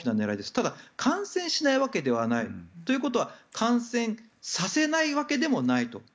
ただ、感染しないわけではない。ということは感染させないわけでもないと。